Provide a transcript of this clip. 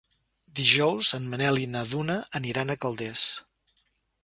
Dijous en Manel i na Duna aniran a Calders.